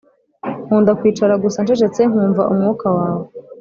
nkunda kwicara gusa ncecetse nkumva umwuka wawe